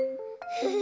フフ。